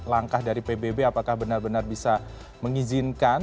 langkah dari pbb apakah benar benar bisa mengizinkan